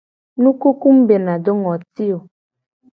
Nukuku mu bena do ngoti o.